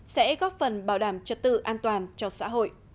sẽ góp phần bảo đảm trật tự an toàn cho xã hội